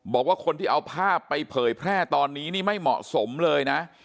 บอกว่าคนที่เอาภาพไปเผยแพร่ตอนนี้นี่ไม่เหมาะสมเลยนะ